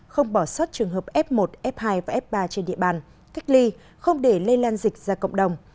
không bỏ sót trường hợp f một f hai và f ba trên địa bàn cách ly không để lây lan dịch ra cộng đồng